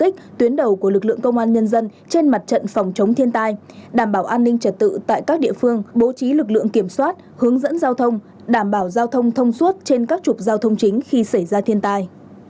đầu của lực lượng công an nhân dân trên mặt trận phòng chống thiên tai đảm bảo an ninh trật tự tại các địa phương bố trí lực lượng kiểm soát hướng dẫn giao thông đảm bảo giao thông thông suốt trên các trục giao thông chính khi xảy ra thiên tai